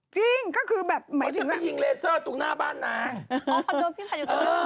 จริงจะเป็นไปยิงเลเซอร์ตรงหน้าบ้านเหนื่อย